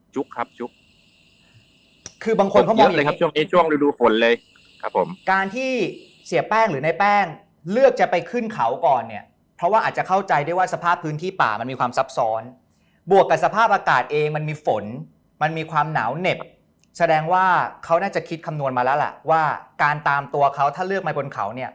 จุกคือบางคนเขาบอกเลยครับช่วงนี้ช่วงฤดูฝนเลยครับผมการที่เสียแป้งหรือในแป้งเลือกจะไปขึ้นเขาก่อนเนี่ยเพราะว่าอาจจะเข้าใจได้ว่าสภาพพื้นที่ป่ามันมีความซับซ้อนบวกกับสภาพอากาศเองมันมีฝนมันมีความหนาวเหน็บแสดงว่าเขาน่าจะคิดคำนวณมาแล้วล่ะว่าการตามตัวเขาถ้าเลือกมาบนเขาเนี่ย